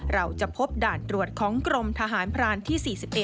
เราจะพบด่านตรวจของกรมทหารพรานที่๔๑